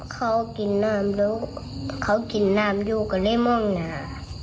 เขากินน้ำอยู่กับเรียกม่องหนา